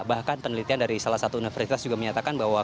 bahkan penelitian dari salah satu universitas juga menyatakan bahwa